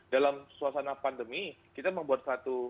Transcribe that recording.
dalam suasana pandemi kita membuat satu